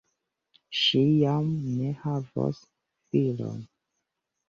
Ŝi jam ne havos filon.